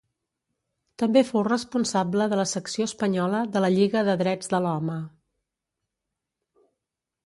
També fou responsable de la Secció espanyola de la Lliga de Drets de l'Home.